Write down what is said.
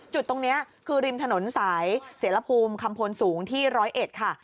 จุดตรงนี้คือริมถนนสายเสรภูมิคำพลสูงที่๑๐๑ค่ะ